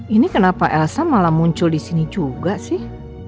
ini kenapa elsa malah muncul disini juga sih